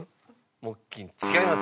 木琴違います。